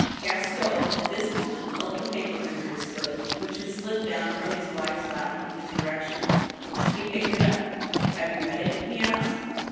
Gaston at this moment felt the paper under his foot, which had slipped down from his wife's lap in his direction. He picked it up. " Have you read it ?" he asked.